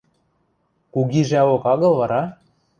– Кугижӓок агыл вара?